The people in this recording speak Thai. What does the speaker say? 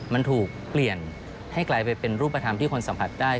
มันถูกเปลี่ยนให้กลายไปเป็นรูปธรรมที่คนสัมผัสได้